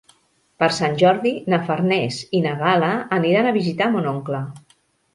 Per Sant Jordi na Farners i na Gal·la aniran a visitar mon oncle.